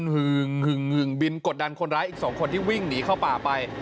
หึงบินกดดันคนร้ายอีก๒คนที่วิ่งหนีเข้าป่าไป